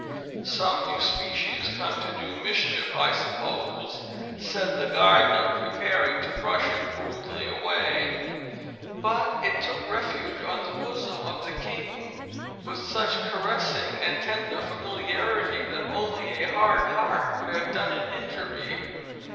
"Some new species, come to do mischief, I suppose," said the gardener, preparing to brush it rudely away. But it took refuge on the bosom of the king, with such caressing and tender familiarity, that only a hard heart could have done it injury.